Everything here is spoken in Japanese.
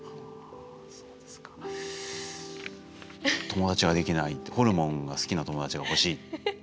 友達ができないってホルモンが好きな友達が欲しい。